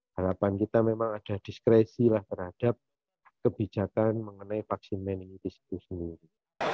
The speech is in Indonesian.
harapan kita memang ada diskresi lah terhadap kebijakan mengenai vaksin meningitis itu sendiri